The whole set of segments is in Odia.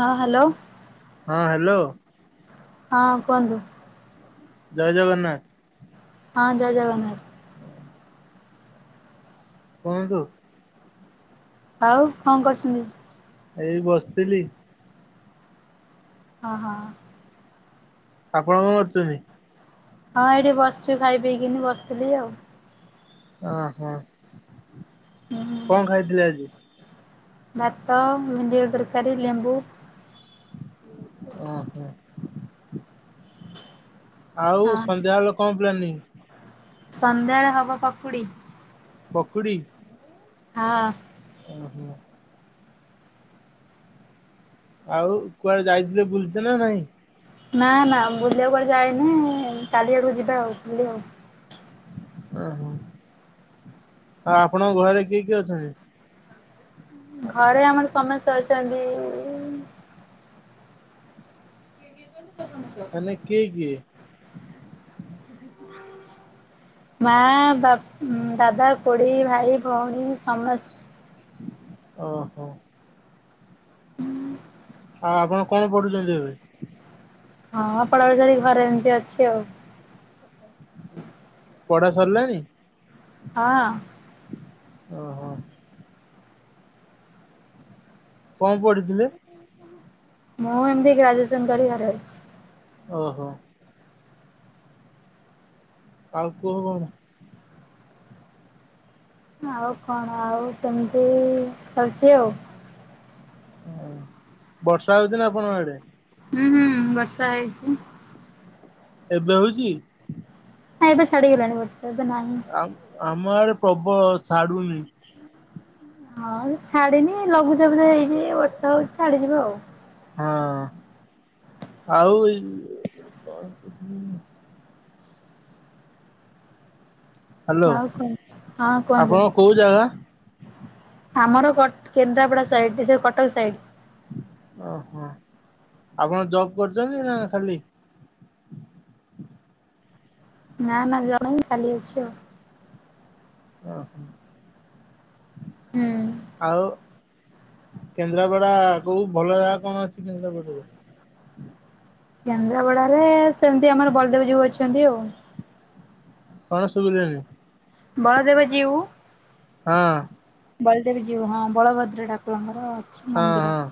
ହଁ ହାଲୋ। ହଁ ହାଲୋ। ହଁ କୁହନ୍ତୁ। ଜୟ ଜଗନ୍ନାଥ। ହଁ ଜୟ ଜଗନ୍ନାଥ। କୁହନ୍ତୁ। ଆଉ କଣ କରିଚନ୍ତି? ଏଇ ବସ୍ତିଲି। ହଁ ହଁ। ଆପଣ କଣ କରୁଚନ୍ତି? ହଁ ଏଇଠି ବସିଚୁ ଖାଇ ପିଇକିନି ବସିଥିଲି ଆଉ। ଓହୋ ହୁଁ। କଣ ଖାଇଥିଲେ ଆଜି? ଭାତ ଭେଣ୍ଡିର ତରକାରୀ ଲେମ୍ବୁ। ଓହୋ। ଆଉ ହଁ ସନ୍ଧ୍ୟା ହେଲେ କଣ ପ୍ଳାନିଙ୍ଗ୍? ସନ୍ଧ୍ୟାଳେ ହବ ପକୁଡ଼ି। ପକୁଡ଼ି? ହଁ। ଓ ହୋ। ଆଉ କୁଆଡେ ଯାଇଥିଲେ ବୁଲିତେ ନା ନାଇଁ? ନା ନା ବୁଲିବାକୁ କୁଆଡେ ଯାଏନି। କାଲି ଆଡକୁ ଯିବା ଆଉ ବୁଲି ଆଉ। ଓହୋ ଆଉ ଆପଣଙ୍କ ଘରେ କିଏ କିଏ ଅଛନ୍ତି? ଘରେ ଆମର ସମସ୍ତେ ଅଛନ୍ତି। [unintelligible] ମାନେ କିଏ କିଏ? [unintelligible] ମା ବାପ ଦାଦା ଖୁଡ଼ି ଭାଇ ଭଉଣୀ ସମସ୍ତ। ଓ ହୋ। ଆଉ ଆପଣ କଣ ପଢୁଛନ୍ତି ଏବେ? ହଁ ପଳେଇ ଆଉଛି ବୋଲି ଘରେ ଏମିତି ଅଛି ଆଉ। ପଢା ସରିଲାଣି। ହଁ। ଓହୋ। କଣ ପଢ଼ିଥିଲେ? ମୁଁ ଏମିତି ଗ୍ରାଜୁଏସନ କରିକି ଘରେ ଅଛି। ଓହୋ। ଆଉ କୁହ କଣ? ଆଉ କଣ ଆଉ ସେମିତି ଚାଲିଛି ଆଉ। ଓ ବର୍ଷା ହଉଛି ନା ଆପଣଙ୍କ ଆଡେ। ହୁଁ ହୁଁ ବର୍ଷା ହେଇଛି। ଏବେ ହଉଛି। ନାଁ ଏବେ ଛାଡ଼ି ଗଲାଣି ବର୍ଷା ଏବେ ନାହିଁ। ଆ ଆମ ଆଡେ ପ୍ରବଳ ଛାଡୁନି। ହଁ ଛାଡିନି ଲଘୁଚାପୁଚା ହେଇଛି ବର୍ଷା ହଉଛି ଛାଡିଯିବ ଆଉ। ହଁ ଆଉ ଏଇ ଅ ଉହୁଁ। ହ୍ୟାଲୋ ଆଉ କୁହନ୍ତୁ ହଁ ଆପଣ କୁହନ୍ତୁ। କୋଉ ଜାଗା? ଆମର କ କେନ୍ଦ୍ରାପଡା ସାଇଡ ସେ କଟକ ସାଇଡ। ଓହୋ ଆପଣ ଜବ୍ କରଚନ୍ତି ନା ଖାଲି। ନା ନା ଜଣେ ହିଁ ଖାଲି ଅଛି ଆଉ। ଅହ ହୁଁ ଆଉ କେନ୍ଦ୍ରାପଡା କୋଉ ଭଲ ଜାଗା କଣ ଅଛି କେନ୍ଦ୍ରାପଡାରେ? କେନ୍ଦ୍ରାପଡାରେରେ ସେମତି ଆମର ବଲଦେବ ଜୀଉ ଅଛନ୍ତି ଆଉ। କଣ ଶୁବିଲାନି। ବଳଦେବ ଯୀଉ। ହଁ। ବଳଦେବଜୀଉ ହଁ ବଳଭଦ୍ର ଠାକୁରଙ୍କର ଅଛି ହଁ ମନ୍ଦିର। ହଁ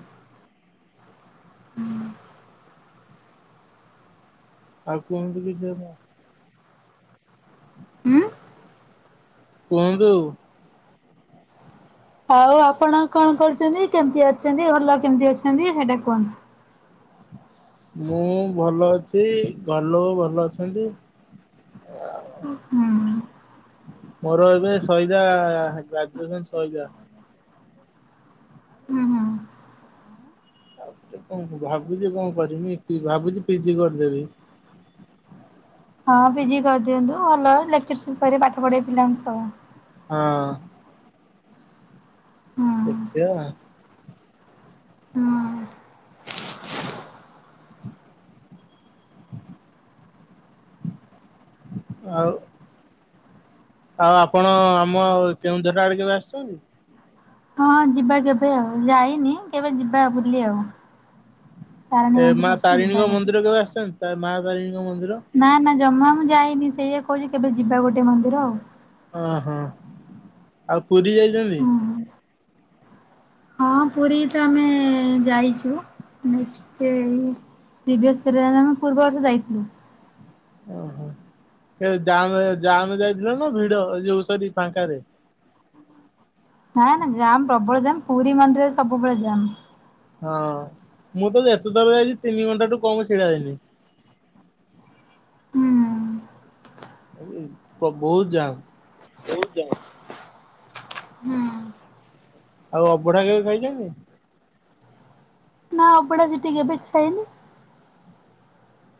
ହୁଁ। ଆଉ କୁହନ୍ତୁ କିଛି ଆପଣ। ଉଁମ୍ କୁହନ୍ତୁ। ଆଉ ଆପଣ କଣ କରୁଚନ୍ତି କେମିତି ଅଛନ୍ତି ଘରଲୋକ କେମତି ଅଛନ୍ତି ସେଇଟା କୁହନ୍ତୁ। ମୁଁ ଭଲ ଅଛି ଘରଲୋକ ଭଲ ଅଛନ୍ତି ଆ ଉଁହୁଁ। ମୋର ଏବେ ସଇଲା ଗ୍ରାଜୁଏସନ ସଇଲା। ଉଁ ହୁଁ। କଣ ଭାବୁଚି କଣ କରିମି ସେ ଭାବୁଚି ପି ଜି କରିଦେବି। ହଁ ପିଜି କରିଦିଅନ୍ତୁ ଭଲ ଲେକ୍ଚରସିପ କରି ପାଠ ପଢେଇ ପିଲାଙ୍କୁ ଆଉ। ହଁ। ହୁଁ। ଦେଖିଆ। ହଁ। ଆଉ ଆଉ ଆପଣ ଆମ କେଉଁଝରା ଆଡେ କେବେ ଆସିଛନ୍ତି? ହଁ ଯିବା କେବେ ଆଉ ଯାଇନି କେବେ ଯିବା ବୁଲି ଆଉ। ତାରିଣୀ ଏ ମନ୍ଦିର ମା ଅଛି ଯିବା ତାରିଣୀଙ୍କ ମନ୍ଦିର କେବେ ଆସିଚନ୍ତି ଏ ମା ତାରିଣୀଙ୍କ ମନ୍ଦିର। ନା ନା ଜମା ମୁଁ ଯାଇନି ସେଇଆ କୋହୁଚି କେବେ ଯିବା ଗୋଟେ ମନ୍ଦିର ଆଉ। ଓହୋ ଆଉ ପୁରୀ ଯାଇଚନ୍ତି? ହୁଁ। ହଁ ପୁରୀ ତ ଆମେ ଯାଇଚୁ ନେକ୍ସଟେ ପ୍ରିଭିୟସ୍ ଇୟରରେ ଆମେ ପୂର୍ବ ବର୍ଷ ଯାଇଥିଲୁ। ଓହୋ ଏ ଜାମ ଜାମରେ ଯାଇଥିଲ ନା ଭିଡ ଏ ଯୋଉ ସରି ଫାଙ୍କାରେ? ନାଁ ନାଁ ଜାମ୍ ପ୍ରବଳ ଜାମ୍ ପୁରୀ ମନ୍ଦିରରେ ସବୁବେଳେ ଜାମ୍। ହଁ ମୁଁ ତ ଯେତେ ଥର ଯାଇଚି ତିନି ଘଣ୍ଟାଠୁ କମ ଛିଡା ହେଇନି। ହୁଁ। ବୋ ବୋହୁତ ଜାମ। ବୋହୁତ ଜାମ୍ ହୁଁ। ଆଉ ଅବଢା କେବେ ଖାଇଚନ୍ତି। ନା ଅଭଡା ସେଠି କେବେ ଖାଇନି।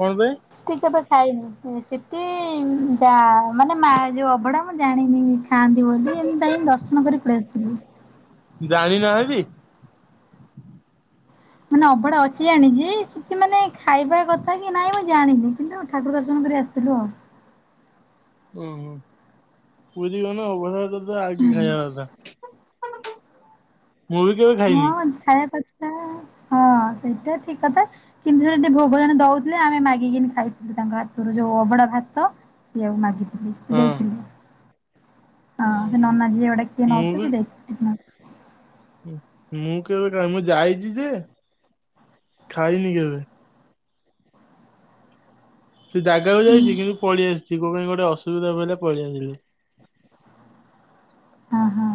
ହଁ ବେ। ସେଠି କେବେ ଖାଇନି। ସେଠି ଯା ମାନେ ମା ଯୋଉ ଅବଢା ମୁଁ ଜାଣିନି। ଖାଆନ୍ତି ବୋଲି ଏମତି ତାଇ ଦର୍ଶନ କରି ପଳେଇ ଆସିଲି। ଜାଣି ନାହାଁନ୍ତି? ମାନେ ଅବଢା ଅଛି ଜାଣିଛି ଚି କିଛି ମାନେ ଖାଇବା କଥା କି ନାହିଁ ମୁଁ ଜାଣିନି କିନ୍ତୁ ଠାକୁର ଦର୍ଶନ କରି ଆସିଲୁ ଆଉ। ଓ ହୋ ପୁରୀ ଗନେ ଅବଢା ଟାତ ଆଗେ ହୁଁ। ଖାଇବାକଥା। [inaudible] ମୁଁ ବି କେବେ ହଁ ଖାଇନି ଜି ଖାଇବା କଥା ହଁ ସେଇଟା ଠିକ୍ କଥା। କିନ୍ତୁ ସେ ଟେ ଭୋଗ ଜଣ ଦଉଥିଲେ ଆମେ ମାଗିକିନି ଖାଇଥିଲୁ ତାଙ୍କ ହାତରୁ ଯୋଉ ଅବଡା ଭାତ ସିଏ ଆଉ ମାଗିଥିଲି ସିଏ ହଁ। ଦେଇଥିଲେ। ହଁ ସେ ନ ନାଁ ଝିଅ ଡାକି ଏ ନଉସି ତ ସିଏ ଦେ [unintelligible] ଉଁ ମୁଁ କେବେ କା ମୁଁ ଯାଇଛି ଯେ ଖାଇନି କେବେ। ସେ ଜାଗାକୁ ହୁଁ ଯାଇଛି କିନ୍ତୁ ପଳେଇ ଆସିଛି କୋ ପାଇଁ ଗୋଟେ ଅସୁବିଧା ପଇଲା ପଳେଇ ଆସିଲି ହଁ ହଁ।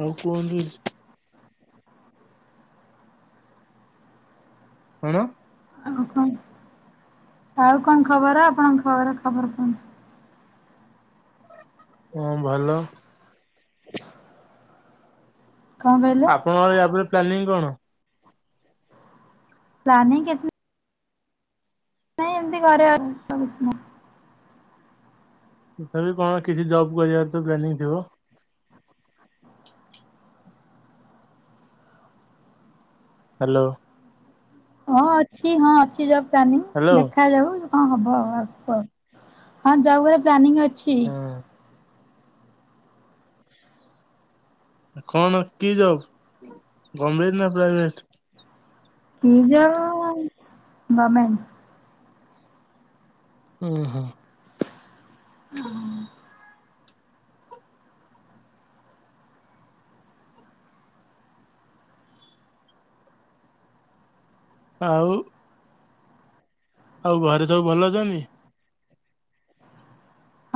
ଆଉ କୁହନ୍ତୁ କିଛି? କଣ? ଓହୋ ଆଉ କଣ ଖବର ଆପଣଙ୍କ ଖବର ଖବର କୁହନ୍ତୁ? ହଁ ଭଲ। [inaudible] କଣ କହିଲେ? କଣ ୟା ପରେ ପ୍ଲାନିଂ କଣ? ପ୍ଲାନିଂ କିଛି ନାଇଁ। ଏମିତି ଘରେ ତ କିଛି ନା। ତଥାବି କଣ କିଛି ଜବ୍ କରିବାର ତ ପ୍ଲାନିଂ ଥିବ? ହ୍ୟାଲୋ। ହଁ ଅଛି ହଁ ଅଛି ଯବ ପ୍ଲାନିଂ ହ୍ୟାଲୋ ଦେଖାଯାଉ ଯୋ ହଁ ହବ ଆଉ ଅଳ୍ପ ହଁ ଯବ କରିବାର ପ୍ଲାନିଂ ଅଛି। ହୁଁ। କଣ କି ଜବ ଗମେଣ୍ଟ ନା ପ୍ରାଇଭେଟ? କି ଯବ ଗମେଣ୍ଟ୍। ଅଁ ହଁ। ଅ ହଁ। ଆଉ? ଆଉ ଘରେ ସବୁ ଭଲ ଅଛନ୍ତି?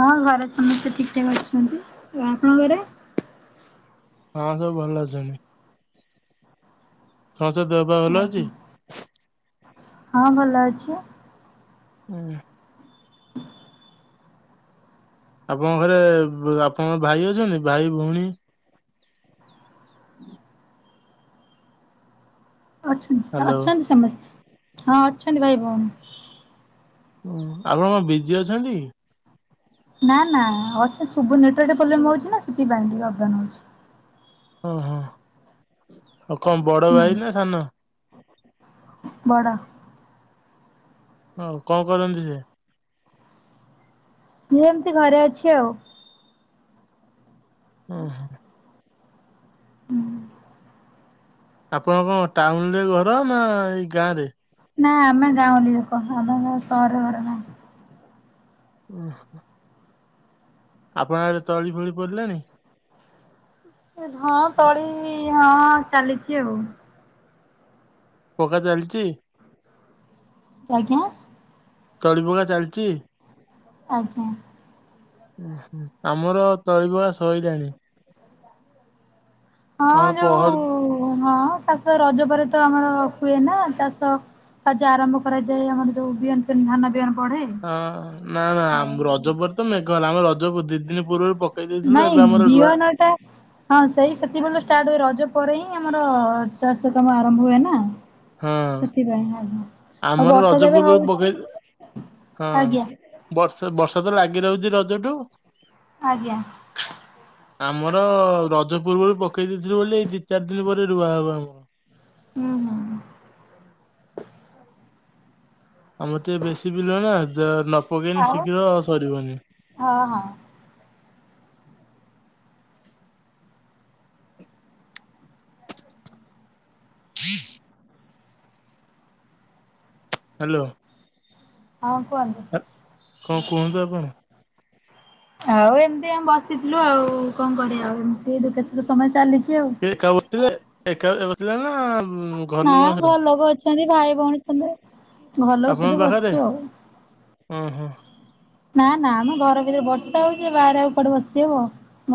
ହଁ ଘରେ ସମସ୍ତେ ଠିକ ଠାକ୍ ଅଛନ୍ତି ଆଉ ଆପଣଙ୍କ ଘରେ? ହଁ ସବୁ ଭଲ ଅଛନ୍ତି। ସମସ୍ତଙ୍କ ଦେହ ପା ଭଲ ଅଛି? ଆଜ୍ଞା ହଁ ଭଲ ଅଛି। ହୁଁ। ଆପଣଙ୍କ ଘରେ ବୁ ଆପଣଙ୍କ ଭାଇ ଅଛନ୍ତି ଭାଇ ଭଉଣୀ? [inaudible] ଅଛନ୍ତି ଅ ହ୍ୟାଲୋ। ଅଛନ୍ତି ସମସ୍ତେ ହଁ ଅଛନ୍ତି ଭାଇ ଭଉଣୀ। ହଁ ଆପଣ କଣ ବିଜି ଅଛନ୍ତି? ନା ନା ଅଛି ଶୁବୁ ନେଟୱାର୍କ ପ୍ରୋବ୍ଲେମ୍ ହଉଛି ନା ସେଥିପାଇଁ ଅପଡାଉନ ହଉଛି। ଓହୋ ଆଉ କଣ ବଡ ଭାଇ ନା ସାନ। ବଡ଼। ହଉ କଣ କରନ୍ତି ସେ? ସିଏ ଏମିତି ଘରେ ଅଛି ଆଉ। ଓ ହଁ। ହୁଁ। ଆପଣ କଣ ଟାଉନ ରେ ଘର ନା ଏଇ ଗାଁ ରେ? ନା ଆମେ ଗାଁଉଲି ଲୋକ ଆମ ସହର ଘର ନାହିଁ। ହୁ। ଆପଣ ଆଡେ ତଳି ଫଳି ପଡିଲାଣି? ହଁ ତଳି ହଁ ଚାଲିଛି ଆଉ। ପକା ଚାଲିଛି। ଆଜ୍ଞା। ତଳି ପକା ଚାଲିଛି? ଆଜ୍ଞା। ଉଁ ହୁଁ, ଆମର ତଳି ପକା ସଇଲାଣି। ହଁ ଆମର ପହର ଯୋଉ ହଁ ଚାଷ ରଜ ପରେ ତ ଆମର ହୁଏ ନା ଚାଷ। ତା ଯ ଆରମ୍ଭ କରାଯାଏ ଆମର ଯୋଉ ବିହନ ଫିହନ ଧାନ ବିହନ ପଢେ। ହଁ ନା ନା ଆମ ରଜ ପରେ ତ ମେଘ ଆମ ରଜ ଦି ଦିନ ପୂର୍ବରୁ ଦେଇଥିଲୁ ଏବେ ନାଇଁ ଆମର ରୁଆ ବିହନଟା ହଁ ସେଇ ସେତିକିବେଳେ ଷ୍ଟାର୍ଟ ହୁଏ ରଜ ପରେ ହିଁ ଆମର ଚାଷ କାମ ଆରମ୍ଭ ହୁଏ ନା। ହଁ। ସେଥିପାଇଁ ଆଜ୍ଞା। ଆଉ ଆମର ବର୍ଷା ତ ରଜ ଏବେ ପୂର୍ବରୁ ହଉଛି ପକେଇ ହଁ। ଆଜ୍ଞା ବର୍ଷା ବର୍ଷା ତ ଲାଗି ରହୁଛି ରଜଠୁ। ଆଜ୍ଞା। ଆମର ରଜ ପର୍ବରୁ ପକେଇ ଦେଇଥିଲୁ ବୋଲି ଏଇ ଦି ଚାରି ଦିନ ପରେ ରୁଆ ହବ ଆମର। ଉଁ ହୁଁ। ଆମର ଟିକେ ବେଶୀ ବିଲ ନା ତ ନପକେଇଲେ ଆଉ ଶୀଘ୍ର ସରିବନି। ହଁ ହଁ। ହ୍ୟାଲୋ। ହଁ କୁହନ୍ତୁ। କଣ କୁହନ୍ତୁ ଆପଣ? ଆଉ ଏମିତି ଆମେ ବସିଥିଲୁ ଆଉ କଣ କରିବା ଆଉ ଏମିତି ଦୁଃଖ ସୁଖେ ସମୟ ଚାଲିଛି ଆଉ। ଏକା ବସିଥିଲେ ଏକା ବସିଥିଲେ ନା ଉଁ, ଘର ନା ଲୋକଙ୍କ ସହିତ ଘରଲୋକ ଅଛନ୍ତି ଭାଇ ଭଉଣୀ ସମସ୍ତେ ଘର ଲୋକ ସହିତ ଆପଣଙ୍କ ପାଖରେ? ବସିଛୁ ଆଉ। ଓହୋ। ନା ନା ଆମ ଘର ଭିତରେ, ବର୍ଷା ହଉଛି ବାହାରେ ଆଉ କୁଆଡେ ବସି ହବ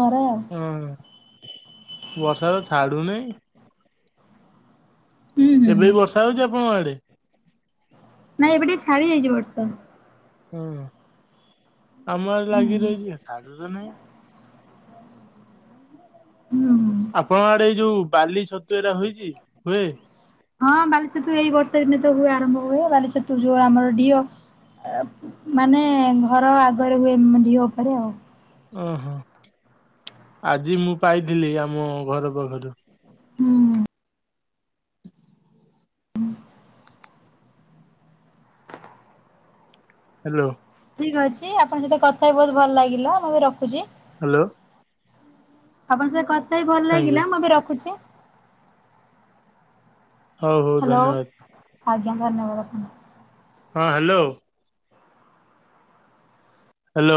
ଘରେ ଆଉ। ହଁ ବର୍ଷା ତ ଛାଡୁନେଇ। ହୁଁ ହୁଁ ଏବେ ବି ବର୍ଷା ହଉଛି ଆପଣଙ୍କ ଆଡେ? ନାଇଁ ଏବେ ଟିକେ ଛାଡିଯାଇଛି ବର୍ଷା। ହୁଁ ଆମ ଆଡେ ଲାଗି ରହିଛି। ଛାଡୁ ତ ନାହିଁ। ହୁଁ ହୁଁ। ଆପଣଙ୍କ ଆଡ଼େ ଏଇ ଯୋଉ ବାଲି ଛତୁ ଏରା ହେଇଛି ହୁଏ?। ହଁ ବାଲିଛତୁ ଏଇ ବର୍ଷା ଦିନେ ତ ହୁଏ ଆରମ୍ଭ ହୁଏ ବାଲି ଛତୁ ଯୋଉ ଆମର ଡିଅ ମାନେ ଘର ଆଗରେ ହୁଏ ଢିଅ ଉପରେ ଆଉ। ଓହୋ ଆଜି ମୁଁ ପାଇଥିଲି ଆମ ଘର ପାଖରୁ। ହୁଁ। ହ୍ୟାଲୋ। ଠିକ୍ ଅଛି ଆପଣଙ୍କ ସହିତ କଥା ହେଇ ବହୁତ ଭଲ ଲାଗିଲା ମୁଁ ଏବେ ରଖୁଛି। ହ୍ୟାଲୋ। ଆପଣଙ୍କ ସହିତ କଥା ହେଇ ଭଲ ଥ୍ୟାଙ୍କୟୁ ଲାଗିଲା ମୁଁ ଏବେ ରଖୁଛି। ହଉ ହଉ ହ୍ୟାଲୋ ଧନ୍ୟବାଦ ଆଜ୍ଞା ଧନ୍ୟବାଦ। ହଁ ହ୍ୟାଲୋ। ହ୍ୟାଲୋ।